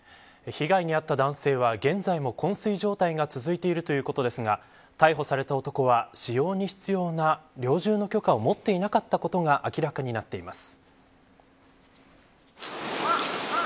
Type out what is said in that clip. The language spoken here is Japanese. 被害に遭った男性は現在も昏睡状態が続いているということですが逮捕された男は狩猟に必要な猟銃の許可を持っていなかったことが明らかになっています。